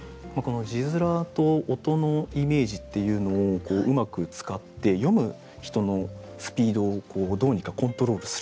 字面と音のイメージっていうのをうまく使って読む人のスピードをどうにかコントロールする。